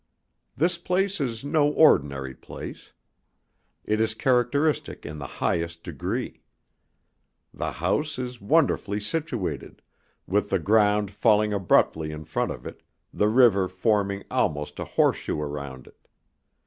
This place is no ordinary place. It is characteristic in the highest degree. The house is wonderfully situated, with the ground falling abruptly in front of it, the river forming almost a horseshoe round it.